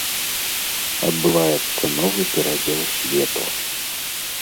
Адбываецца новы перадзел свету.